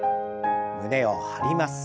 胸を張ります。